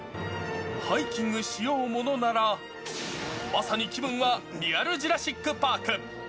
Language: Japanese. ハイキングしようものなら、まさに気分はリアルジュラシック・パーク。